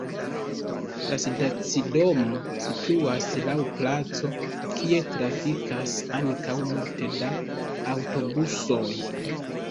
La stacidomo situas laŭ placo, kie trafikas ankaŭ multe da aŭtobusoj.